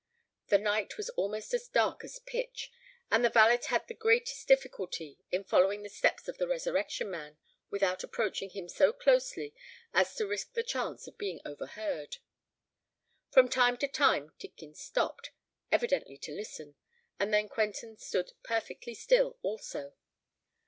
The night was almost as dark as pitch; and the valet had the greatest difficulty in following the steps of the Resurrection Man without approaching him so closely as to risk the chance of being overheard. From time to time Tidkins stopped—evidently to listen; and then Quentin stood perfectly still also.